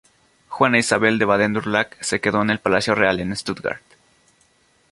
Juana Isabel de Baden-Durlach se quedó en el palacio real en Stuttgart.